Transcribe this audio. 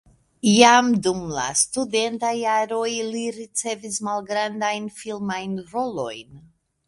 Jam dum la studentaj jaroj li ricevis malgrandajn filmajn rolojn.